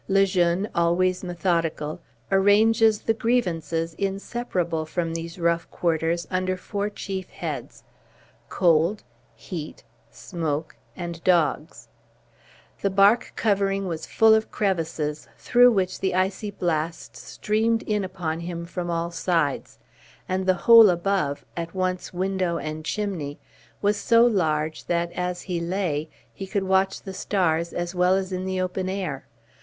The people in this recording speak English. Le Jeune, always methodical, arranges the grievances inseparable from these rough quarters under four chief heads, Cold, Heat, Smoke, and Dogs. The bark covering was full of crevices, through which the icy blasts streamed in upon him from all sides; and the hole above, at once window and chimney, was so large, that, as he lay, he could watch the stars as well as in the open air.